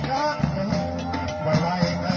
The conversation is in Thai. สวัสดีครับทุกคน